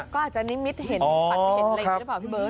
ก็อาจจะนิมิตเห็นปัดไปเห็นเลขใช่ป่าวพี่เบิร์ต